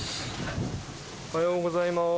おはようございます。